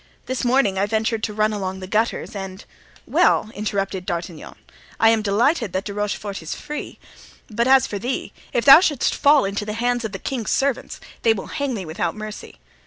This morning I ventured to run along the gutters and——" "Well," interrupted D'Artagnan, "I am delighted that De Rochefort is free, but as for thee, if thou shouldst fall into the hands of the king's servants they will hang thee without mercy.